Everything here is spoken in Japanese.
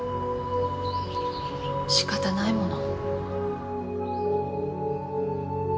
仕方ないもの。